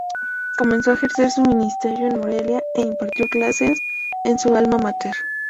Comenzó a ejercer su ministerio en Morelia e impartió clases en su alma máter.